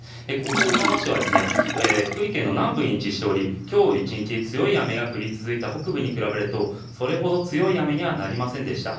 ここ小浜市は福井県南部に位置しており今日１日強い雨が降り続いた北部に比べるとそれほど強い雨にはなりませんでした。